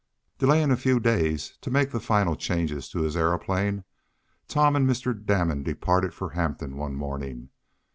Delaying a few days, to make the final changes in his aeroplane, Tom and Mr. Damon departed for Hampton one morning.